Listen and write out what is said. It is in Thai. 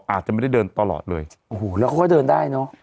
อาจจะไม่ได้เดินตลอดเลยโอ้โหแล้วเขาก็เดินได้เนอะ